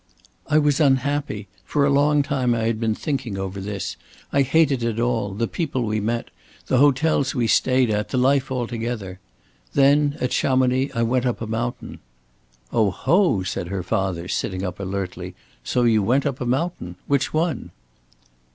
"I was unhappy. For a long time I had been thinking over this. I hated it all the people we met, the hotels we stayed at, the life altogether. Then at Chamonix I went up a mountain." "Oho," said her father, sitting up alertly. "So you went up a mountain? Which one?"